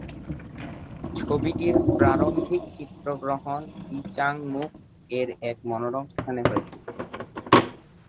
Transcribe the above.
ছবিটির প্রারম্ভিক চিত্রগ্রহণ দিচাংমুখ-এর এক মনোরম স্থানে হয়েছিল।